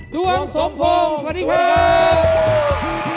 ดวงสมพงศ์สวัสดีครับ